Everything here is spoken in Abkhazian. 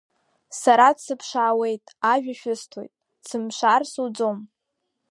Сара дсыԥшаауеит, ажәа шәысҭоит, дсымԥшаар суӡом…